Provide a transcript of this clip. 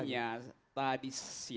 sebenarnya tadi siang